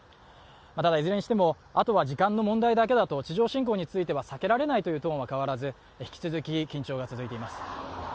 ただ、いずれにしてもあとは時間の問題だけだと地上侵攻は避けられないトーンは変わらず緊張は続いています。